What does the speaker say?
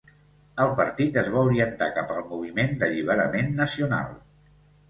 El partit es va orientar cap al moviment d'alliberament nacional.